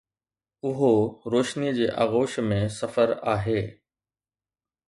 اهو روشنيءَ جي آغوش ۾ سفر آهي.